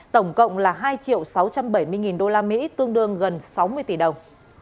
tổng cộng là hai triệu sáu trăm bảy mươi nghìn đô la mỹ tương đương gần sáu mươi tỷ đồng